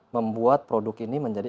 membuat produk ini menjadi